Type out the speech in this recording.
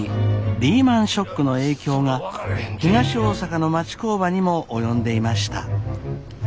リーマンショックの影響が東大阪の町工場にも及んでいました。